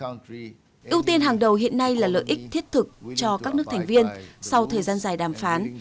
ưu tiên hàng đầu hiện nay là lợi ích thiết thực cho các nước thành viên sau thời gian dài đàm phán